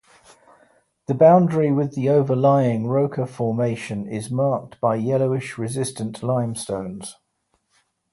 The boundary with the overlying Roca Formation is marked by yellowish resistant limestones.